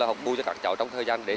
học bu cho các chậu trong thời gian